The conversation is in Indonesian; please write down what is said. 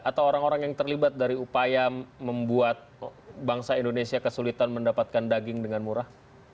atau orang orang yang terlibat dari upaya membuat bangsa indonesia kesulitan mendapatkan daging dengan murah